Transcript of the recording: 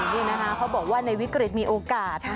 นี่นะคะเขาบอกว่าในวิกฤตมีโอกาส